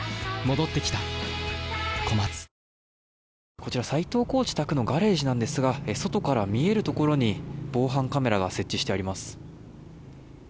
こちら斎藤コーチ宅のガレージなんですが外から見えるところに防犯カメラが設置してあります。